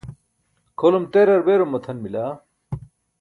kʰolum terar beerum matʰan bila.